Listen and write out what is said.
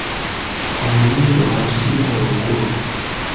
Omuyiiya wa "Kiyita waggulu".